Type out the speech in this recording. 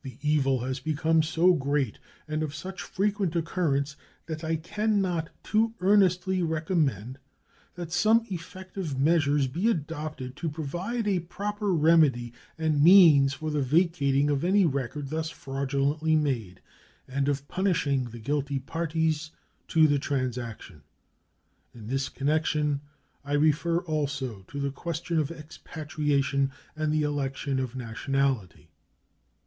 The evil has become so great and of such frequent occurrence that I can not too earnestly recommend that some effective measures be adopted to provide a proper remedy and means for the vacating of any record thus fraudulently made, and of punishing the guilty parties to the transaction. In this connection I refer also to the question of expatriation and the election of nationality.